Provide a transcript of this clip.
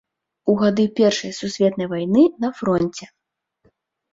У гады першай сусветнай вайны на фронце.